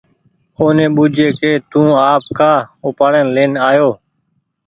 اوني ٻوجهيي ڪي تو آپ ڪآ اُپآڙين لين آيو